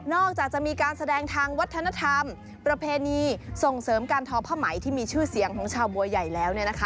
จากจะมีการแสดงทางวัฒนธรรมประเพณีส่งเสริมการทอผ้าไหมที่มีชื่อเสียงของชาวบัวใหญ่แล้ว